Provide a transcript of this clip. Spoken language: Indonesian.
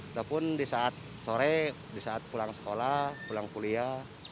ataupun di saat sore di saat pulang sekolah pulang kuliah